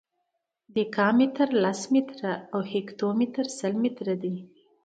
دیکا متر لس متره دی او هکتو متر سل متره دی.